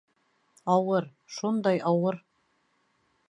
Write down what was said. Ауыр, шундай ауыр...